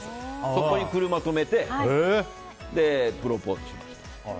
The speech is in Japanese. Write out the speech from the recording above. そこに車を止めてプロポーズしました。